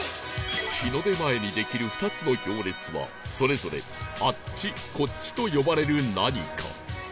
日の出前にできる２つの行列はそれぞれ「あっち」「こっち」と呼ばれる何か